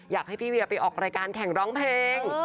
อยากให้พี่เวียไปออกรายการแข่งร้องเพลง